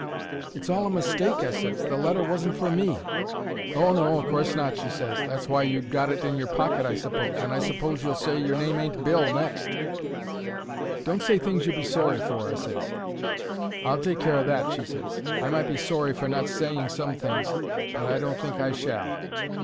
"It's all a mistake," I ses. "The letter wasn't for me." "Oh, no, o' course not," she ses. "That's why you'd got it in your pocket, I suppose. And I suppose you'll say your name ain't Bill next." "Don't say things you'll be sorry for," I ses. "I'll take care o' that," she ses. "I might be sorry for not saying some things, but I don't think I shall."